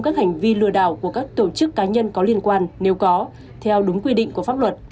các hành vi lừa đảo của các tổ chức cá nhân có liên quan nếu có theo đúng quy định của pháp luật